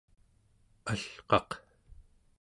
al'qaq